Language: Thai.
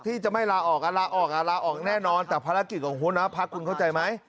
ที่จะไม่ลาออกลาออกลาออกแน่นอนแต่ภารกิจของหัวหน้าพักคุณเข้าใจไหม